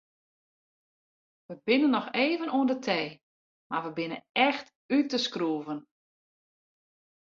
We binne noch even oan de tee mar we binne echt út de skroeven.